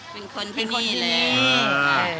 เป็นคนที่นี่แล้ว